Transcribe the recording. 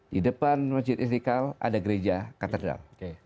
di depan masjid istiqlal ada gereja katedral